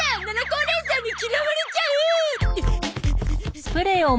おねいさんに嫌われちゃう！